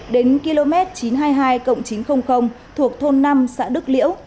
đến km chín trăm hai mươi hai chín trăm linh thuộc thôn năm xã đức liễu